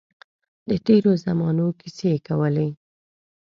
د تېرو زمانو کیسې کولې.